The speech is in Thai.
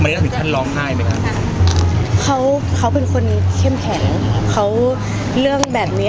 หมายถึงท่านร้องไห้ไหมคะเขาเขาเป็นคนเข้มแข็งเขาเรื่องแบบนี้